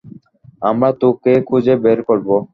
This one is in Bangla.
আমরা তোকে খুঁজে বের করবো।